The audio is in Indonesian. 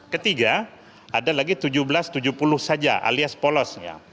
ketiga ada lagi seribu tujuh ratus tujuh puluh saja alias polosnya